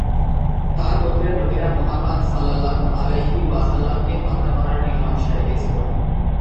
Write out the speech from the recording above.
তার গোত্রের লোকেরা মুহাম্মাদ সাল্লাল্লাহু আলাইহি ওয়াসাল্লাম-কে হত্যা করার নীলনক্সা এঁকেছিল।